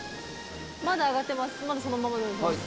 まだ上がってます。